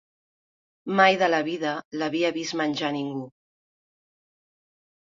...mai de la vida l'havia vist menjar ningú.